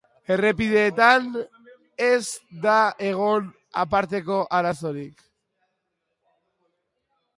Errepideetan ez edgon aparteko arazorik.